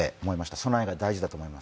備えが大事だと思います。